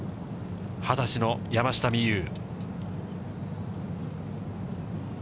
２０歳の山下美夢有。